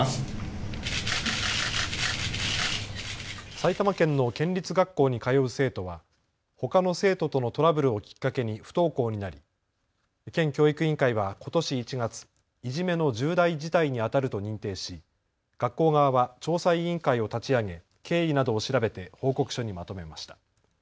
埼玉県の県立学校に通う生徒はほかの生徒とのトラブルをきっかけに不登校になり県教育委員会はことし１月、いじめの重大事態にあたると認定し学校側は調査委員会を立ち上げ経緯などを調べて報告書にまとめました。